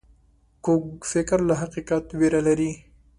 کوږ فکر له حقیقت ویره لري